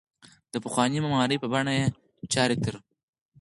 د پخوانۍ معمارۍ په بڼه یې چارې تر